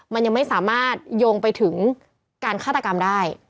มันยังไม่สามารถโยงไปถึงการฆาตกรรมได้